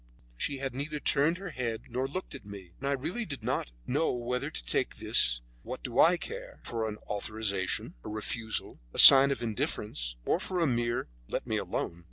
She had neither turned her head nor looked at me, and I really did not know whether to take this "What do I care" for an authorization, a refusal, a real sign of indifference, or for a mere "Let me alone."